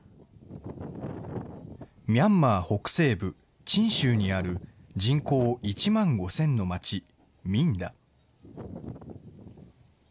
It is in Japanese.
ミャンマー北西部チン州にある人口１万５０００の町、ミンダ。